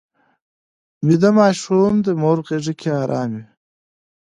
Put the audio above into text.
ویده ماشوم د مور غېږ کې ارام وي